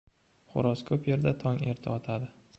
• Xo‘roz ko‘p yerda tong erta otadi.